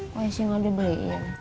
kok isinya dibeli